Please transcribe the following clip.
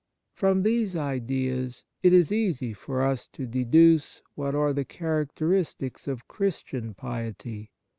From these ideas it is easy for us to deduce what are the characteristics of Christian piety.